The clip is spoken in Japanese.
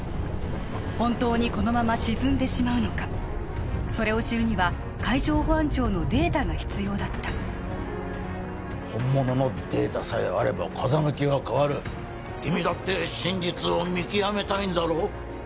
本当にこのまま沈んでしまうのかそれを知るには海上保安庁のデータが必要だった本物のデータさえあれば風向きは変わる君だって真実を見極めたいんだろう？